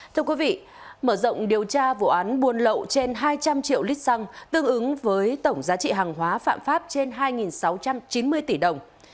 thưa quý vị mở rộng điều tra vụ án buôn lậu trên hai trăm linh triệu lít xăng tương ứng với tổng giá trị hàng hóa phạm pháp trên hai sáu trăm chín mươi tỷ đồng